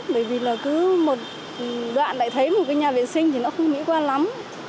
bởi vì là cứ một đoạn lại thấy một cái nhà vệ sinh thì nó không mỹ quan lắm